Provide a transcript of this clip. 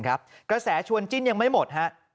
กระแสชวนจิ้นยังไม่หมดฮะ